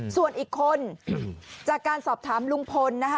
ส่วนอีกคนจากการสอบถามลุงพลนะคะ